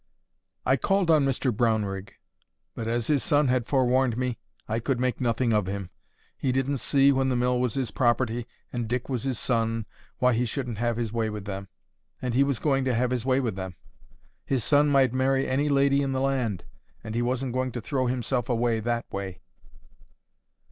I called on Mr Brownrigg; but, as his son had forewarned me, I could make nothing of him. He didn't see, when the mill was his property, and Dick was his son, why he shouldn't have his way with them. And he was going to have his way with them. His son might marry any lady in the land; and he wasn't going to throw himself away that way.